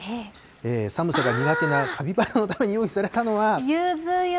寒さが苦手なカピバラのために用意されたのは。